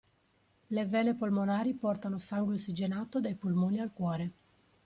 Le vene polmonari portano sangue ossigenato dai polmoni al cuore.